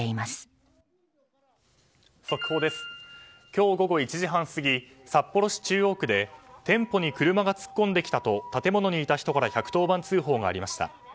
今日午後１時半過ぎ札幌市中央区で店舗に車が突っ込んできたと建物にいた人から１１０番通報がありました。